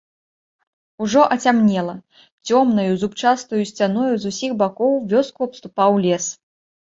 Ужо ацямнела, цёмнаю зубчастаю сцяною з усіх бакоў вёску абступаў лес.